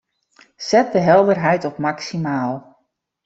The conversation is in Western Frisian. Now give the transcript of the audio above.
Set de helderheid op maksimaal.